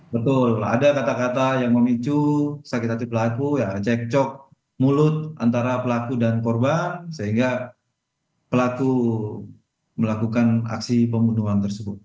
betul ada kata kata yang memicu sakit hati pelaku ya cek cok mulut antara pelaku dan korban sehingga pelaku melakukan aksi pembunuhan tersebut